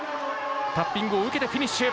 タッピングを受けてフィニッシュ。